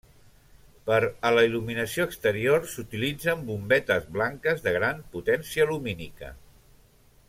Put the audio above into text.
Per a la il·luminació exterior s'utilitzen bombetes blanques de gran potència lumínica.